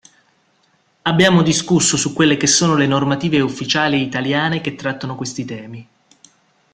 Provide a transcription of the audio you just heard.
Abbiamo discusso su quelle che sono le normative ufficiali Italiane che trattano questi temi.